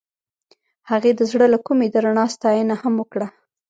هغې د زړه له کومې د رڼا ستاینه هم وکړه.